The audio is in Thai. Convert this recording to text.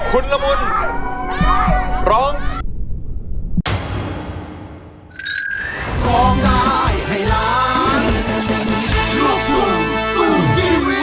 คุณละมุนร้อง